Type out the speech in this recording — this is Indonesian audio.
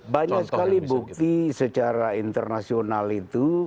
banyak sekali bukti secara internasional itu